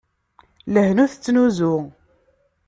Lehna ur tettnuzu.